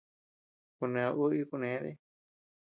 Kuned uu y kunee dii.